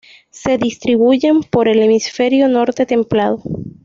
Se distribuyen por el hemisferio Norte templado.